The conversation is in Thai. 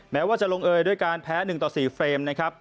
แม้ว่าจะลงเอยด้วยการแพ้๑ต่อ๔เฟรมนะครับ